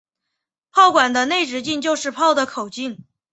炮管的内直径就是炮的口径。